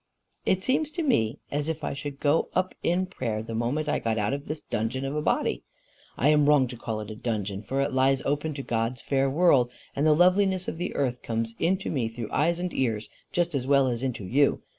"It seems to me as if I should go up in prayer the moment I got out of this dungeon of a body. I am wrong to call it a dungeon, for it lies open to God's fair world, and the loveliness of the earth comes into me through eyes and ears just as well as into you.